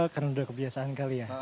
karena sudah kebiasaan kali ya